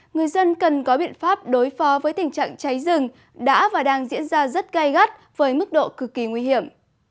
người dân cần có biện pháp đối phó với tình trạng cháy rừng đã và đang diễn ra rất gai gắt với mức độ cực kỳ nguy hiểm